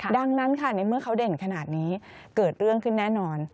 ดังนั้นค่ะในเมื่อเขาเด่นขนาดนี้เกิดเรื่องขึ้นแน่นอน